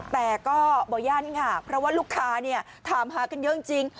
แต่อย่างเพราะว่าลูกค่าเนี่ยทำกันเยอะจริง